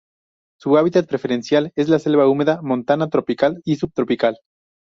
Su hábitat preferencial es la selva húmeda montana tropical y subtropical.